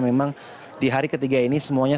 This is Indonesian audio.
memang di hari ketiga ini semuanya